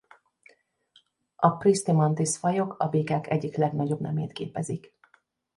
A Pristimantis-fajok a békák egyik legnagyobb nemét képezik.